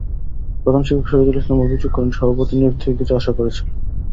প্রধান শিক্ষক শহিদুল ইসলাম অভিযোগ করেন, সভাপতি নিয়োগ থেকে কিছু আশা করেছিলেন।